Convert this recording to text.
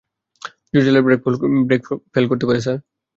জোরে চালালে brake fail হতে পারে স্যার।